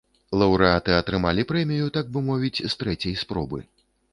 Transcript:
Лаўрэаты атрымалі прэмію, так бы мовіць, з трэцяй спробы.